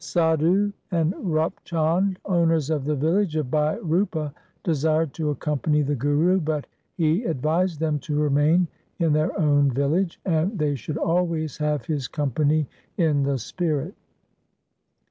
Sadhu and Rup Chand, owners of the village of Bhai Rupa, desired to accompany the Guru, but he advised them to remain in their own village, and they should always have his company in the spirit.